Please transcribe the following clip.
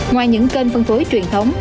ngoài những kênh phân phối truyền thống